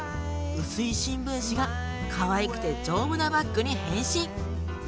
薄い新聞紙がかわいくて丈夫なバッグに変身。